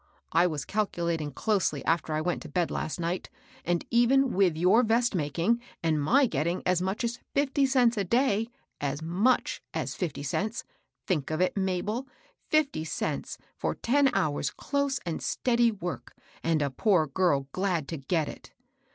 I was calculating closely after I went to bed THE BAD HEABT. 127 last night, and, even with your vest making and my getting as much as fifty cents a day, — as much as fifty cents ! Think of it, Mahel I — fifty cents for ten hours close and steady work 1 and a poor girl glad to get it